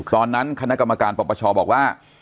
ตอนนั้นคณะกรรมการปปชบอกว่า